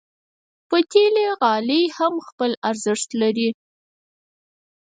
پتېلي غالۍ هم خپل ارزښت لري.